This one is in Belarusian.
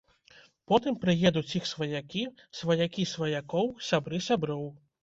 Потым прыедуць іх сваякі, сваякі сваякоў, сябры сяброў.